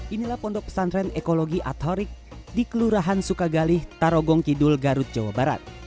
inilah pondok pesantren ekologi atorik di kelurahan sukagali tarogong kidul garut jawa barat